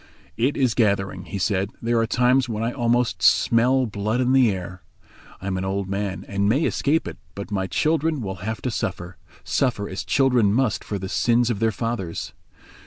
"It is gathering," he said; "there are times when I almost smell blood in the air. I am an old man and may escape it, but my children will have to suffer—suffer as children must for the sins of their fathers.